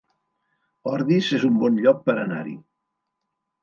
Ordis es un bon lloc per anar-hi